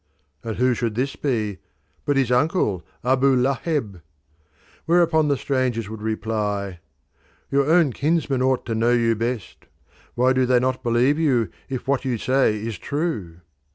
And who should this be but his uncle, Abu Laheb! Whereupon the strangers would reply, "Your own kinsmen ought to know you best. Why do they not believe you if what you say is true?"